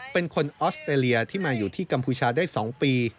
เป็นคนออสเตรเลียที่มาอยู่ที่กัมพูชาได้๒ปี